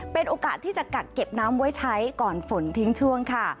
เป็นโอกาสที่จะกัดเก็บน้ำไว้ใช้ก่อนฝนทิ้งช่วงค่ะ